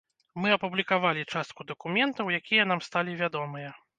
Мы апублікавалі частку дакументаў, якія нам сталі вядомыя.